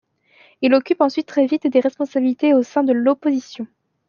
Il occupe ensuite très vite des responsabilités au sein de l'opposition.